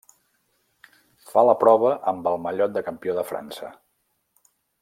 Fa la prova amb el mallot de campió de França.